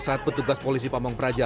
saat petugas polisi pamung praja